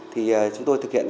thì chúng tôi thực hiện